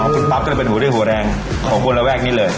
คุณปั๊บก็เลยเป็นหัวเรื่องหัวแรงของคนระแวกนี้เลย